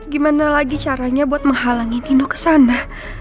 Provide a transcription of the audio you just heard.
gimana lagi caranya buat menghalangi nino kesana